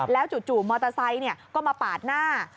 แล้วจู่มอเตอร์ไซค์ก็มาปาดหน้า